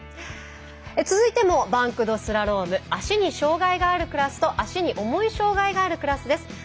続いてもバンクドスラローム足に障がいのあるクラスと足に重い障がいがあるクラスです。